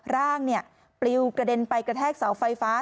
ร่างปลิวกระเด็นไปกระแทกเสาไฟฟ้า